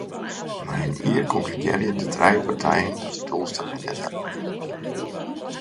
Nei in jier konkludearje de trije partijen dat de doelstellingen net helle binne.